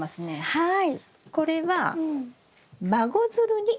はい。